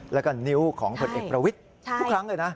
แล้วก็นิ้วของผลเอกประวิทย์ทุกครั้งเลยนะ